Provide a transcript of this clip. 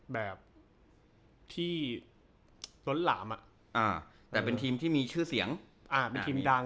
แบบที่ล้นหลามแต่เป็นทีมที่มีชื่อเสียงเป็นทีมดัง